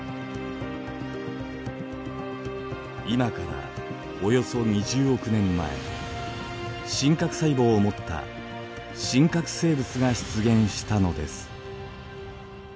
今からおよそ２０億年前真核細胞を持った真核生物が出現したのです。